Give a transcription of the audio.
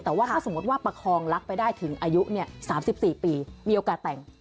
แต่ว่าถ้าสมมุติว่าประคองรักไปได้ถึงอายุ๓๔ปีมีโอกาสแต่ง